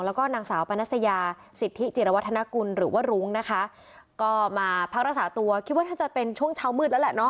แล้วก็นางสาวปนัสยาสิทธิจิรวัฒนกุลหรือว่ารุ้งนะคะก็มาพักรักษาตัวคิดว่าถ้าจะเป็นช่วงเช้ามืดแล้วแหละเนอ